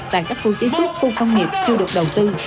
tại các khu chế xuất khu công nghiệp chưa được đầu tư